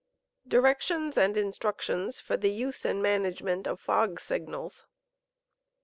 DIRECTIONS AND INSTRUCTIONS FOB THE USB AND MANAGEMENT OP POO SiaNAIiS.